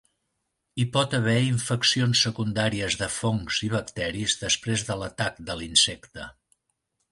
Hi pot haver infeccions secundàries de fongs i bacteris després de l'atac de l'insecte.